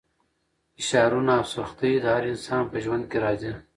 فشارونه او سختۍ د هر انسان په ژوند کې راځي.